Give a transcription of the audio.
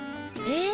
え。